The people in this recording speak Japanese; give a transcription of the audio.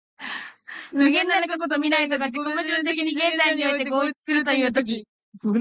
無限なる過去と未来とが自己矛盾的に現在において合一するという時、